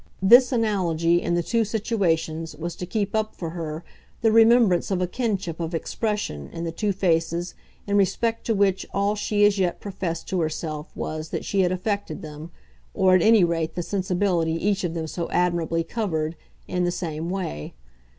This analogy in the two situations was to keep up for her the remembrance of a kinship of expression in the two faces in respect to which all she as yet professed to herself was that she had affected them, or at any rate the sensibility each of them so admirably covered, in the same way.